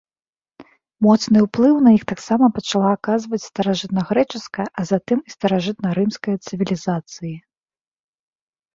Моцны ўплыў на іх таксама пачала аказваць старажытнагрэчаская, а затым і старажытнарымская цывілізацыі.